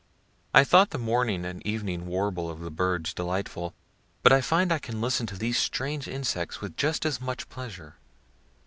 I thought the morning and evening warble of birds delightful; but I find I can listen to these strange insects with just as much pleasure.